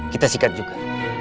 kita sikat juga